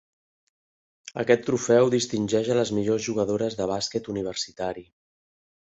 Aquest trofeu distingeix a les millors jugadores de bàsquet universitari.